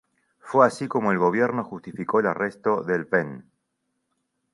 Fue así como el gobierno justificó el arresto del Ven.